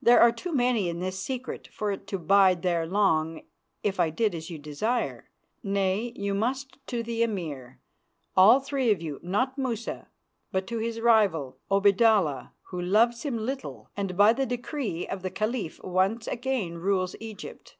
There are too many in this secret for it to bide there long if I did as you desire. Nay, you must to the Emir, all three of you not Musa, but to his rival, Obaidallah, who loves him little, and by the decree of the Caliph once again rules Egypt.